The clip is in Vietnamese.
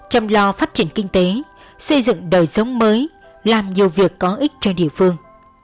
chăm lo phát triển kinh tế xây dựng đời sống mới làm nhiều việc có ích cho địa phương